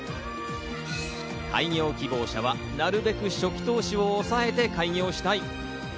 開業希望者はなるべく初期投資を抑えて開業したい。